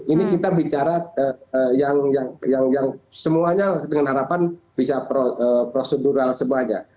ini kita bicara yang semuanya dengan harapan bisa prosedural semuanya